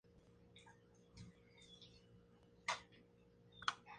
Todos los bloques mencionados se encontraban unidos por rampas, escaleras y ascensores.